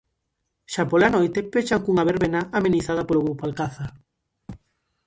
Xa pola noite, pechan cunha verbena amenizada polo grupo Alcázar.